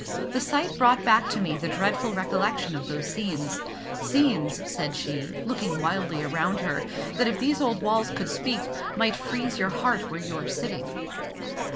The sight brought back to me the dreadful recollection of those scenes, scenes," said she, looking wildly around her, "that if these old walls could speak, might freeze your heart where you are sitting.